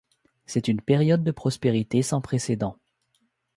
C’est une période de prospérité sans précédent..